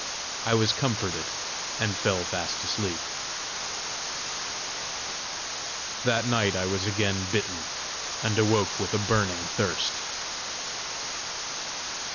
I was comforted, and fell fast asleep. That night I was again bitten, and awoke with a burning thirst.